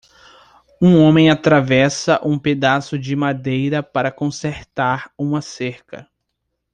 Um homem atravessa um pedaço de madeira para consertar uma cerca.